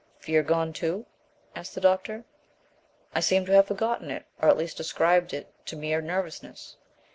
"Fear gone, too?" asked the doctor. "I seemed to have forgotten it, or at least ascribed it to mere nervousness.